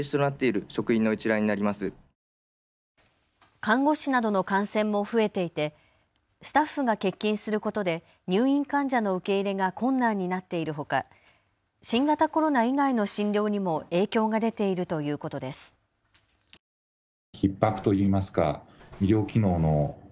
看護師などの感染も増えていてスタッフが欠勤することで入院患者の受け入れが困難になっているほか、新型コロナ以外の診療にも影響が出ているということです。